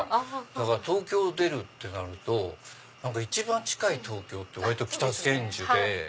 だから東京出るってなると一番近い東京って割と北千住で。